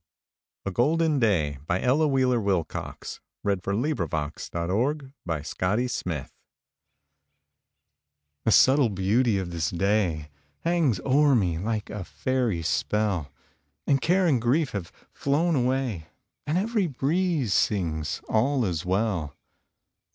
A Golden Day An Ella Wheeler Wilcox Poem A GOLDEN DAY The subtle beauty of this day Hangs o'er me like a fairy spell, And care and grief have flown away, And every breeze sings, "All is well."